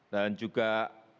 dan juga perwakilan dari pgi